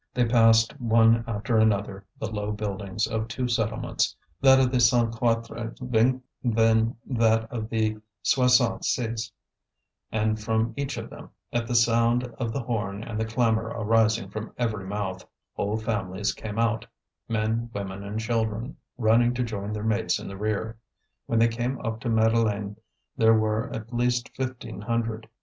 They passed one after another the low buildings of two settlements that of the Cent Quatre Vingts, then that of the Soixante Seize; and from each of them, at the sound of the horn and the clamour arising from every mouth, whole families came out men, women, and children running to join their mates in the rear. When they came up to Madeleine there were at least fifteen hundred.